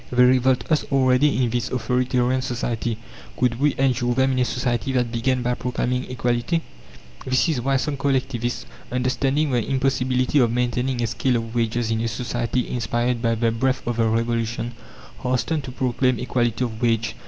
They revolt us already in this authoritarian society. Could we endure them in a society that began by proclaiming equality? This is why some collectivists, understanding the impossibility of maintaining a scale of wages in a society inspired by the breath of the Revolution, hasten to proclaim equality of wage.